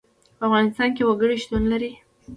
په افغانستان کې وګړي شتون لري.